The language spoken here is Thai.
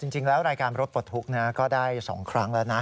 จริงแล้วรายการรถปลดทุกข์ก็ได้๒ครั้งแล้วนะ